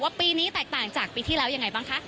ปีนี้แตกต่างจากปีที่แล้วยังไงบ้างคะ